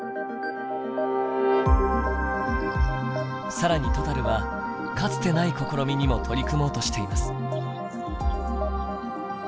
更にトタルはかつてない試みにも取り組もうとしています。